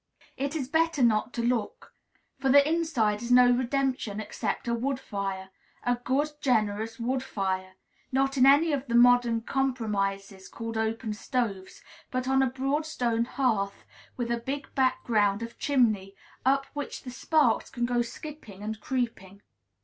It is better not to look. For the inside is no redemption except a wood fire, a good, generous wood fire, not in any of the modern compromises called open stoves, but on a broad stone hearth, with a big background of chimney, up which the sparks can go skipping and creeping.